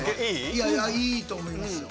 いやいいと思いますよ。